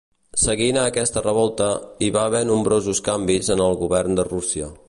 Seguint a aquesta revolta, hi va haver nombrosos canvis en el govern de Rússia.